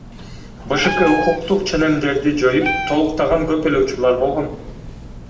БШК укуктук ченемдерди жоюп толуктаган көп эле учурлар болгон.